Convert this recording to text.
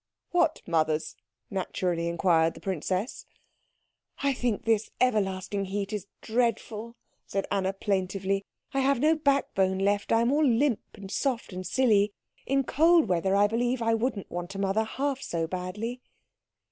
"What mothers?" naturally inquired the princess. "I think this everlasting heat is dreadful," said Anna plaintively. "I have no backbone left. I am all limp, and soft, and silly. In cold weather I believe I wouldn't want a mother half so badly."